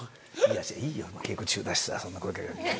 「いいよ稽古中だしさそんな声かけなくても」。